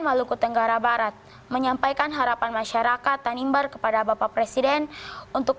maluku tenggara barat menyampaikan harapan masyarakat tanimbar kepada bapak presiden untuk